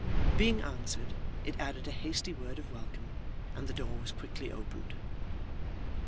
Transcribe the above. Being answered, it added a hasty word of welcome, and the door was quickly opened.